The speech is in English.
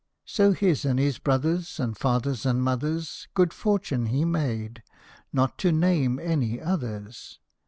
So his and his brothers' And father's and mother's Good fortune he made not to name any others.